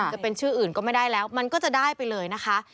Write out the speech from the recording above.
จะเป็นชื่ออื่นก็ไม่ได้แล้วมันก็จะได้ไปเลยนะคะ